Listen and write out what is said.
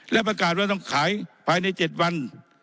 และประกาศว่าต้องขายภายใน๗วัน